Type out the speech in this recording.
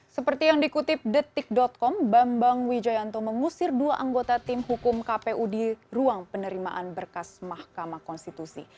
seperti yang dikutip detik com bambang wijayanto mengusir dua anggota tim hukum kpu di ruang penerimaan berkas mahkamah konstitusi